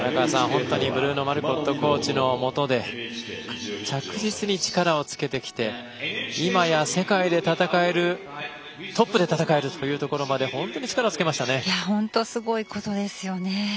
本当にブルーノ・マルコットコーチのもとで着実に力をつけてきていまや世界で戦えるトップで戦えるところまで本当すごいことですよね。